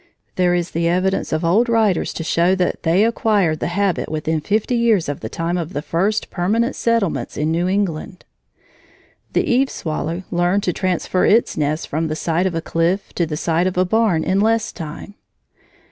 There is the evidence of old writers to show that they acquired the habit within fifty years of the time of the first permanent settlements in New England. The eaves swallow learned to transfer its nest from the side of a cliff to the side of a barn in less time.